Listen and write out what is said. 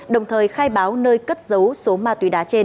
đồng thời khai báo nơi cất dấu số ma túy đá trên